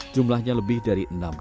jumlahnya lebih dari enam ratus